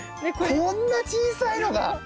こんな小さいのが！